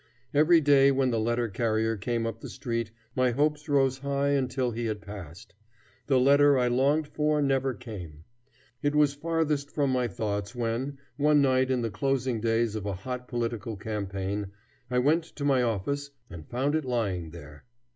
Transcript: Every day, when the letter carrier came up the street, my hopes rose high until he had passed. The letter I longed for never came. It was farthest from my thoughts when, one night in the closing days of a hot political campaign, I went to my office and found it lying there.